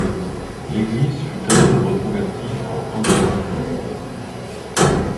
L'église fut alors reconvertie en hangar à foin.